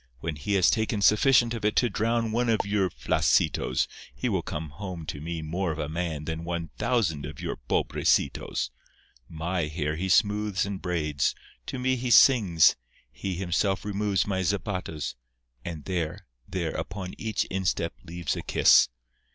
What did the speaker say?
When he has taken sufficient of it to drown one of your flaccitos he will come home to me more of a man than one thousand of your pobrecitos. My hair he smooths and braids; to me he sings; he himself removes my zapatos, and there, there, upon each instep leaves a kiss.